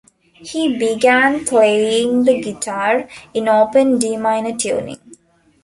He began playing the guitar in open D-minor tuning.